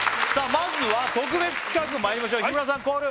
まずは特別企画まいりましょう日村さんコール